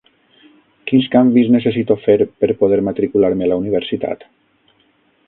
Quins canvis necessito fer per poder matricular-me a la universitat?